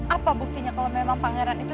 apa buktinya kalau memang pangeran itu